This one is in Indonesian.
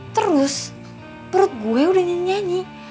terus perut gue udah nyanyi nyanyi